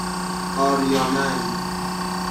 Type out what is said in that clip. آریامن